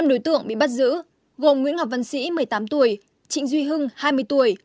năm đối tượng bị bắt giữ gồm nguyễn ngọc văn sĩ một mươi tám tuổi trịnh duy hưng hai mươi tuổi